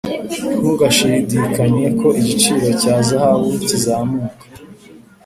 nta gushidikanya ko igiciro cya zahabu kizamuka.